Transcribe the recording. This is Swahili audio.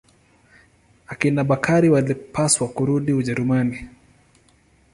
Akina Bakari walipaswa kurudi Ujerumani.